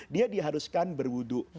dia diharuskan berwudhu